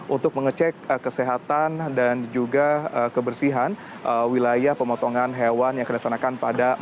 untuk mengecek kesehatan dan juga kebersihan wilayah pemotongan hewan yang dilaksanakan pada empat